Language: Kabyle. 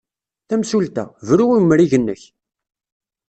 Tamsulta! Bru i umrig-nnek!